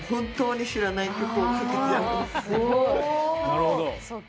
なるほど。